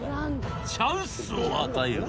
「チャンスを与えよう！